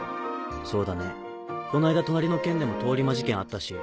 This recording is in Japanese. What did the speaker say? そうだねこないだ隣の県でも通り魔事件あったし。